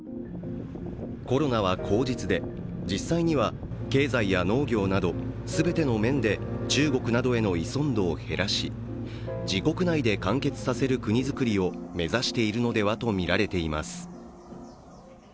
コロナは口実で、実際には経済や農業など全ての面で中国などへの依存度を減らし自国内で完結させる国づくりを目指しているのではとみられています。